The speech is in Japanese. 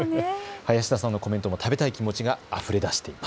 林田さんのコメントも食べたい気持ちがあふれ出しています。